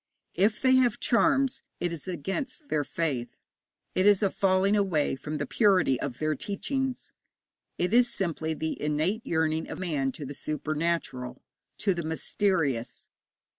If they have charms, it is against their faith; it is a falling away from the purity of their teachings; it is simply the innate yearning of man to the supernatural, to the mysterious.